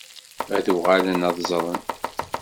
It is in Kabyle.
Ad uɣalen ad ẓren.